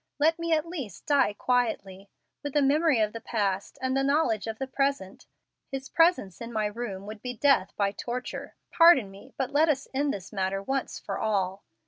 Let me at least die quietly. With the memory of the past and the knowledge of the present, his presence in my room would be death by torture. Pardon me, but let us end this matter once for all.